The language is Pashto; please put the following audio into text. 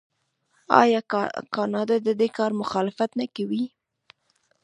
آیا کاناډا د دې کار مخالفت نه کوي؟